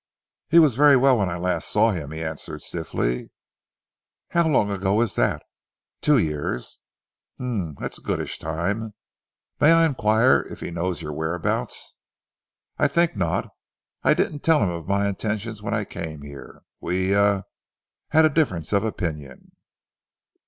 "He was very well when last I saw him," he answered stiffly. "How long ago is that?" "Two years." "Um! that's a goodish time. May I inquire if he knows your whereabouts?" "I think not. I didn't tell him of my intentions when I came here. We er had a difference of opinion."